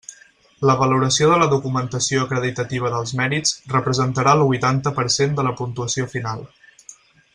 La valoració de la documentació acreditativa dels mèrits representarà el huitanta per cent de la puntuació final.